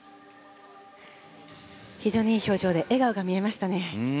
非常にいい表情で笑顔も見えましたね。